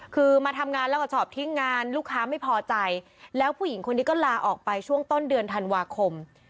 คือมาทำงานแล้วก็ชอบทิ้งงานลูกค้าไม่พอใจแล้วผู้หญิงคนนี้ก็ลาออกไปช่วงต้นเดือนธันวาคม